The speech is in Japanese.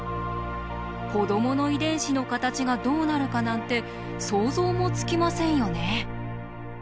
子どもの遺伝子の形がどうなるかなんて想像もつきませんよね。